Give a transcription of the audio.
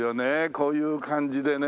こういう感じでね。